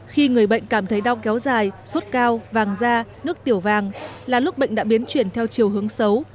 khi người bệnh cảm thấy đau kéo dài suốt cao vàng da nước tiểu vàng là lúc bệnh đã biến chuyển theo chiều hướng xấu